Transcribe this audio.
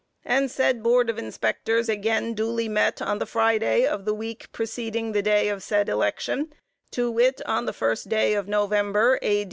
And said Board of Inspectors again duly met on the Friday of the week preceding the day of said election, to wit, on the first day of November, A.